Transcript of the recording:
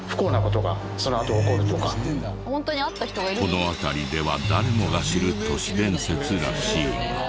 この辺りでは誰もが知る都市伝説らしいが。